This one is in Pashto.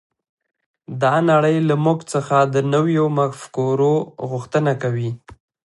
دا نړۍ له موږ څخه د نويو مفکورو غوښتنه کوي.